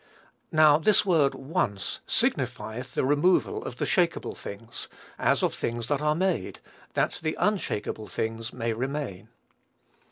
Now this word Once signifieth the removal of the shakeable things, as of things that are made, that the unshakeable things may remain."